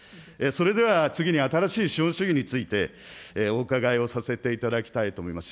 それでは次に新しい資本主義についてお伺いをさせていただきたいと思います。